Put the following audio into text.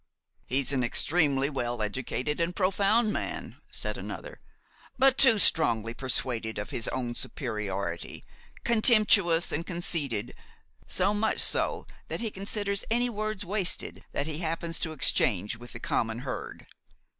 "He's an extremely well educated and profound man," said another, "but too strongly persuaded of his own superiority, contemptuous and conceited–so much so that he considers any words wasted that he happens to exchange with the common herd."